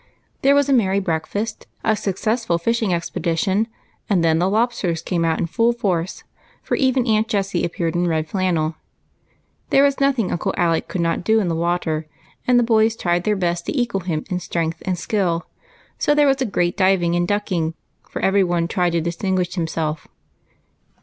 There was a merry breakfast, a successful fishing expedition, and then the lobsters came out in full force, for even Aunt Jessie appeared in red flannel. There was nothing Uncle Alec could not do in the water, and the boys tried their best to equal him in strength and skill, so there was a great diving and ducking, for every one was bent on distinguishing himself.